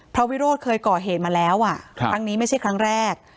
วิโรธเคยก่อเหตุมาแล้วครั้งนี้ไม่ใช่ครั้งแรก